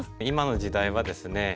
今の時代はですね